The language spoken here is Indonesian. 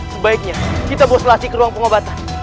sebaiknya kita bawa selasih ke ruang pengobatan